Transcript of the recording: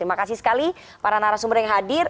terima kasih sekali para narasumber yang hadir